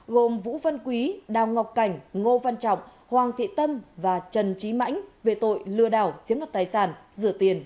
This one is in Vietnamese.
gồm vũ văn quý đào ngọc cảnh ngô văn trọng hoàng thị tâm và trần trí mãnh về tội lừa đảo chiếm đoạt tài sản rửa tiền